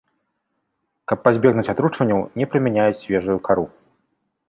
Каб пазбегнуць атручванняў, не прымяняюць свежую кару.